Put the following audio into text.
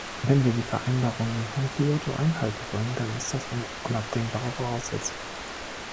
Wenn wir die Vereinbarungen von Kyoto einhalten wollen, dann ist das eine unabdingbare Voraussetzung.